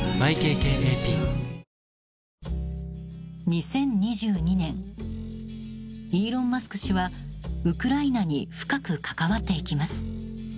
２０２０年イーロン・マスク氏はウクライナに深く関わっていきます。